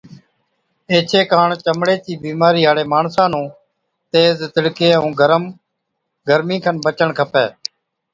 ايڇي ڪاڻ چمڙي چِي بِيمارِي هاڙي ماڻسا نُون تيز تِڙڪي ائُون گرمِي کن بَچڻ کپَي